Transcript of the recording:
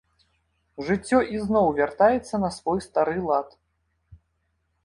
Жыццё ізноў вяртаецца на свой стары лад.